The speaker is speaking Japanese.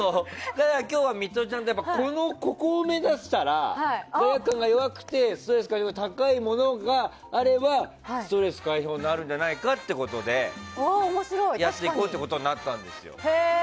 今日はミトちゃんとここを目指したら罪悪感が弱くてストレス解消度が高いものがストレス解消になるんじゃないかということでやっていこうということになったんですよ。